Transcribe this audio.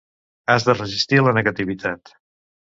Has de resistir la negativitat.